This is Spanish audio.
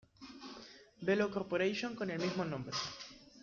Belo Corporation con el mismo nombre.